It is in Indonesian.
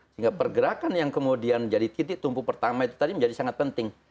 sehingga pergerakan yang kemudian jadi titik tumpu pertama itu tadi menjadi sangat penting